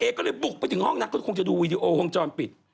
เอ็กซ์ติมพำไปถึงห้องนับก็คงจะดูวีดีโอน์ห้องจอมปิด